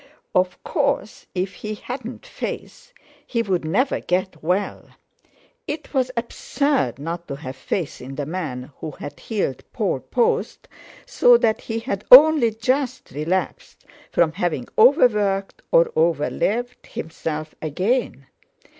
Of course, if he hadn't "faith" he would never get well! It was absurd not to have faith in the man who had healed Paul Post so that he had only just relapsed, from having overworked, or overlived, himself again.